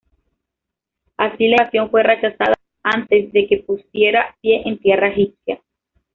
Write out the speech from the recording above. Así la invasión fue rechazada antes de que pusiera pie en tierra egipcia.